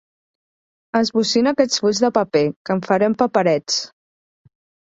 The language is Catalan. Esbocina aquests fulls de paper, que en farem paperets.